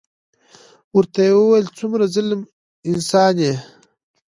ورته يې وويل څومره ظلم انسان يې.